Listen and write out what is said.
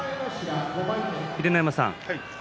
秀ノ山さん